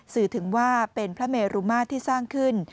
สื่อถึงว่าเป็นพระเมรุมาตรที่สร้างขึ้น